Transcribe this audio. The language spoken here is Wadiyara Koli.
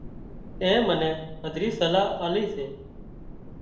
تين منين هڌري صلاح آلي سي